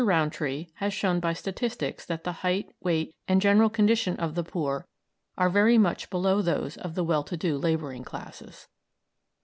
Rowntree has shown by statistics that the height, weight, and general condition of the poor are very much below those of the well to do labouring classes.